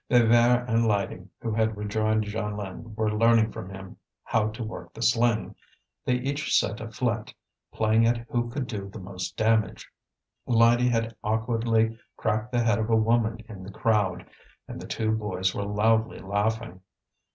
Bébert and Lydie, who had rejoined Jeanlin, were learning from him how to work the sling. They each sent a flint, playing at who could do the most damage. Lydie had awkwardly cracked the head of a woman in the crowd, and the two boys were loudly laughing.